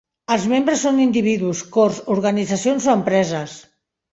Els membres són individus, cors, organitzacions o empreses.